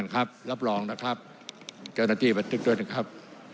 ครับรับรองนะครับเจ้าหน้าที่บันทึกด้วยนะครับ